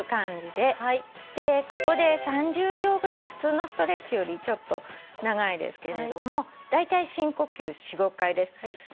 でここで３０秒ぐらい普通のストレッチよりちょっと長いですけれどもだいたい深呼吸４５回です。